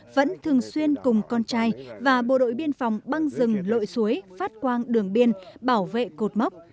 vẫn thường xuyên cùng con trai và bộ đội biên phòng băng rừng lội suối phát quang đường biên bảo vệ cột mốc